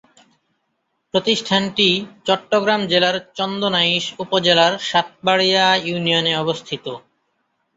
প্রতিষ্ঠানটি চট্টগ্রাম জেলার চন্দনাইশ উপজেলার সাতবাড়িয়া ইউনিয়নে অবস্থিত।